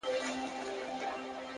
هره ناکامي د راتلونکې لارښوونه کوي.!